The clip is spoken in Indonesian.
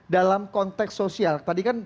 dalam konteks sosial tadi kan